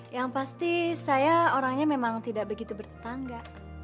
yang pasti saya orangnya memang tidak begitu bertetangga